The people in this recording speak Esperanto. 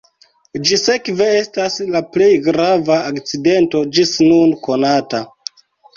Ĝi sekve estas la plej grava akcidento ĝis nun konata.